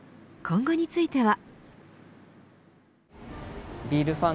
今後については。